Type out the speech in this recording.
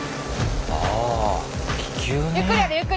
ああ気球ね。